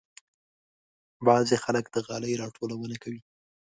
بعضې خلک د غالۍ راټولونه کوي.